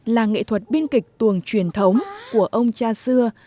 là nghệ thuật biên kịch tuồng truyền thống của ông cha xưa